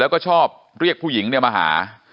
แล้วก็ชอบเรียกผู้หญิงมาหา